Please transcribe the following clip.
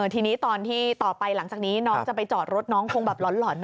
ทีนี้ตัวไปหลังจากนี้น้องจะไปจอดรถน้องคงหลอน